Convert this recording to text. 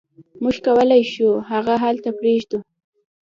موږ کولی شو هغه هلته پریږدو